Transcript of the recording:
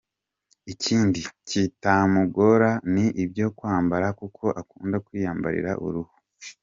Ikindi kitamugora ni ibyo kwambara kuko akunda kwiyambarira uruhu.